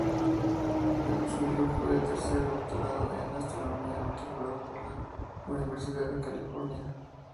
El suyo fue el tercer doctorado en astronomía otorgado por la Universidad de California.